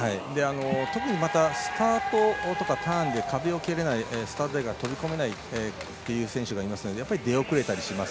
特にスタートとかターンで壁を蹴れないスタート台から飛び込めない選手もいますので出遅れたりします。